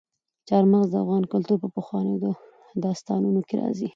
چار مغز د افغان کلتور په پخوانیو داستانونو کې راځي.